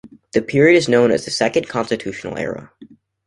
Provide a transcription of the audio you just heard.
This period is known as the Second Constitutional Era.